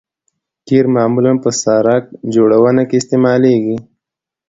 قیر معمولاً په سرک جوړونه کې استعمالیږي